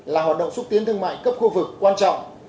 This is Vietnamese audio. là hoạt động xúc tiến thương mại cấp khu vực quan trọng